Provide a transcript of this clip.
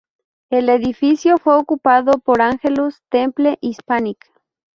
El edificio fue ocupado por Angelus Temple Hispanic.